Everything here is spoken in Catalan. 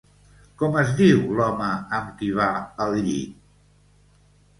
Com es diu l'home amb qui va al llit?